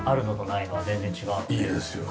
いいですよね。